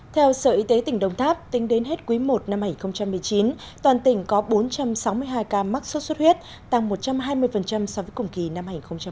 theo sở y tế tỉnh đồng tháp tính đến hết quý i năm hai nghìn một mươi chín toàn tỉnh có bốn trăm sáu mươi hai ca mắc sốt xuất huyết tăng một trăm hai mươi so với cùng kỳ năm hai nghìn một mươi tám